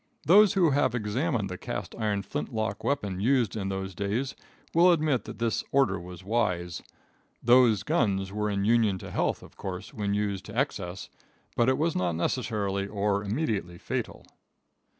Those who have examined the cast iron flint lock weapon used in those days will admit that this order was wise. Those guns were in union to health, of course, when used to excess, but not necessarily or immediately fatal.